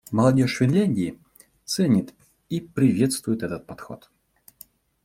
Молодежь Финляндии ценит и приветствует этот подход.